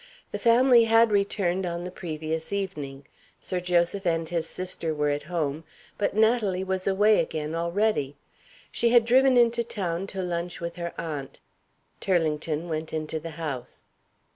The family had returned on the previous evening. Sir Joseph and his sister were at home, but Natalie was away again already. She had driven into town to lunch with her aunt. Turlington went into the house.